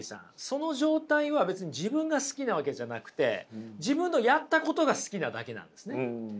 その状態は別に自分が好きなわけじゃなくて自分のやったことが好きなだけなんですね。